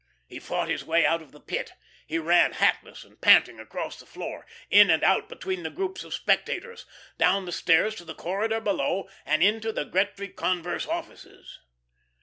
He fought his way out of the Pit; he ran hatless and panting across the floor, in and out between the groups of spectators, down the stairs to the corridor below, and into the Gretry Converse offices.